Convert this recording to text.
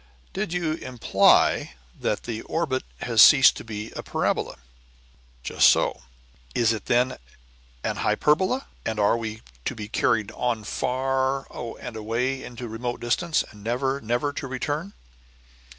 "Did you imply that the orbit has ceased to be a parabola?" "Just so." "Is it then an hyperbola? and are we to be carried on far and away into remote distance, and never, never to return?"